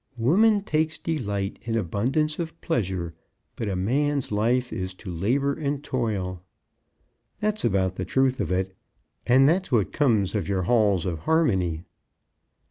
Woman takes delight in abundance of pleasure, But a man's life is to labour and toil. That's about the truth of it, and that's what comes of your Halls of Harmony."